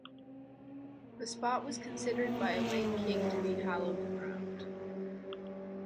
The spot was considered by a late king to be hallowed ground.